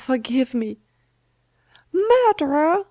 Forgive me!' 'Murderer!